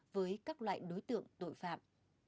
với các loại đối tượng tội phạm